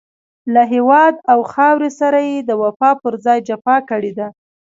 له هېواد او خاورې سره يې د وفا پر ځای جفا کړې ده.